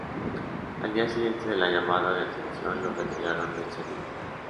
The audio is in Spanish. Al día siguiente de la llamada de atención lo retiraron del servidor